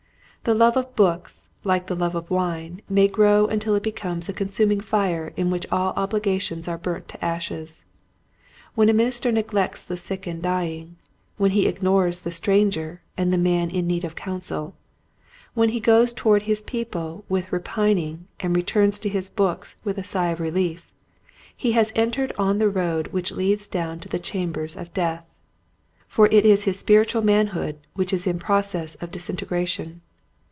The love of books like the love of wine may grow until it becomes a consuming fire in which all obligations are burnt to ashes. When a minister neglects the sick and dying, when he ignores the stranger and the man in need of counsel, when he goes toward his people with repining and returns to his books with a sigh of relief he has entered on the road which leads down to the chambers of death. For it is his spiritual manhood which is in process of disintegration.